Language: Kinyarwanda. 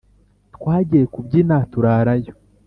Twagiye kubyina turarayo